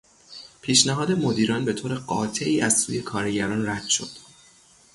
پیشنهاد مدیران به طور قاطعی از سوی کارگران رد شد.